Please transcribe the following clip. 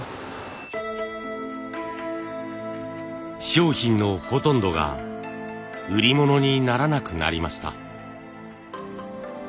商品のほとんどが売り物にならなくなりました。